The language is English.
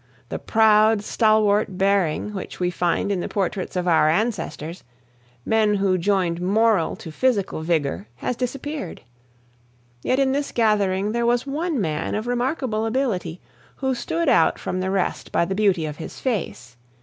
The proud, stalwart bearing which we find in the portraits of our ancestors men who joined moral to physical vigor has disappeared. Yet in this gathering there was one man of remarkable ability, who stood out from the rest by the beauty of his face.